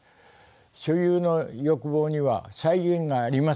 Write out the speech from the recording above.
所有の欲望には際限がありません。